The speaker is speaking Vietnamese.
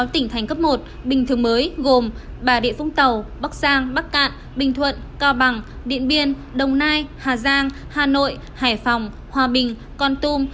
sáu tỉnh thành cấp một bình thường mới gồm bà địa vũng tàu bắc giang bắc cạn bình thuận cao bằng điện biên đồng nai hà giang hà nội hải phòng hòa bình con tum